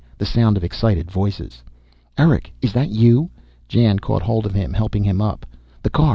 The sound of excited voices. "Erick, is that you?" Jan caught hold of him, helping him up. "The car.